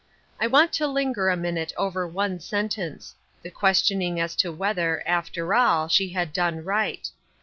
I want to linger a minute over one sentence — the ques tioning as to whether, after all, she had done right.